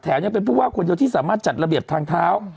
ยังเป็นผู้ว่าคนเดียวที่สามารถจัดระเบียบทางเท้า